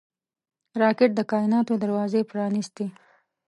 راکټ د کائناتو دروازې پرانېستي